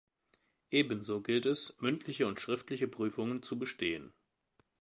Ebenso gilt es, mündliche und schriftliche Prüfungen zu bestehen.